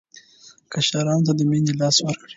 کشرانو ته د مینې لاس ورکړئ.